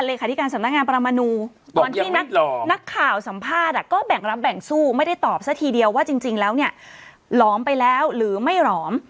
ที่การสำนักงานปรมนูตอนที่นักข่าวสัมภาษณ์ก็แบ่งรับแบ่งสู้ไม่ได้ตอบซะทีเดียวว่าจริงแล้วเนี่ยหลอมไปแล้วหรือไม่หลอม